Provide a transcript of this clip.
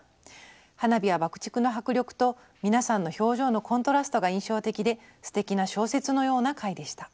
花火や爆竹の迫力と皆さんの表情のコントラストが印象的ですてきな小説のような回でした」。